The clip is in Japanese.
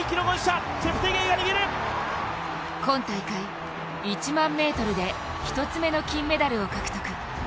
今大会、１００００ｍで１つ目の金メダルを獲得。